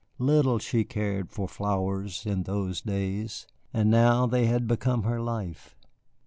Little she cared for flowers in those days, and now they had become her life.